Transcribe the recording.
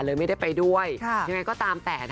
ไม่ได้ไปด้วยยังไงก็ตามแต่